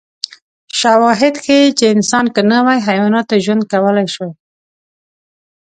شواهد ښيي چې انسان که نه وای، حیواناتو ژوند کولای شوی.